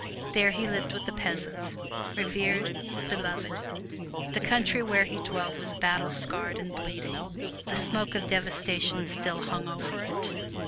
There he lived with the peasants revered, beloved. The country where he dwelt was battle scarred and bleeding; the smoke of devastation still hung over it.